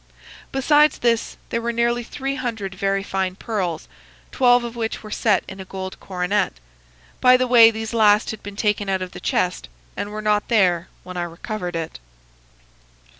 Besides this, there were nearly three hundred very fine pearls, twelve of which were set in a gold coronet. By the way, these last had been taken out of the chest and were not there when I recovered it.